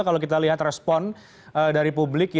kalau kita lihat respon dari publik